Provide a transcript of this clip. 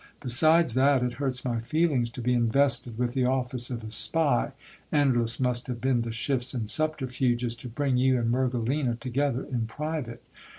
Besides that it hurt my feelings to be invested with the office of a spy, endless must have been the shifts and subterfuges to bring you and Mergelina together in private.